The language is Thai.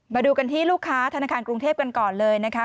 มาดูกันที่ลูกค้าธนาคารกรุงเทพกันก่อนเลยนะคะ